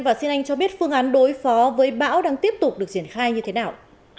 và xin anh cho biết phương án đối phó với bão đang tiếp tục được triển khai như thế nào